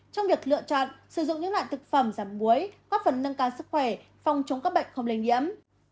trong việc lựa chọn sử dụng những loại thực phẩm giảm muối có phần nâng cao sức khỏe phòng chống các bệnh không lây nhiễm